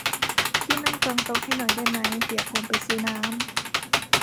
พี่นั่งจองโต๊ะให้หน่อยได้ไหม เดี๋ยวผมไปซื้อน้ำ